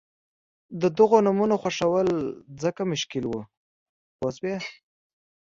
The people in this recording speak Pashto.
د دغو نومونو خوښول ځکه مشکل وو پوه شوې!.